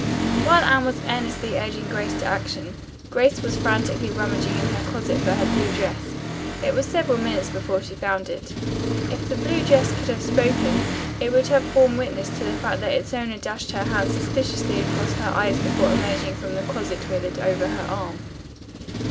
While Anne was earnestly urging Grace to action, Grace was frantically rummaging in her closet for her blue dress. It was several minutes before she found it. If the blue dress could have spoken it would have borne witness to the fact that its owner dashed her hand suspiciously across her eyes before emerging from the closet with it over her arm.